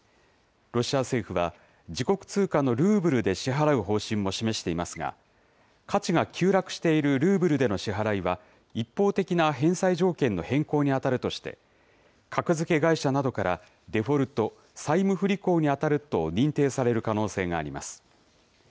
ロシア政府は、自国通貨のルーブルで支払う方針も示していますが、価値が急落しているルーブルでの支払いは、一方的な返済条件の変更に当たるとして、格付け会社などから、デフォルト・債務不履行に当たると認定される可能性があります。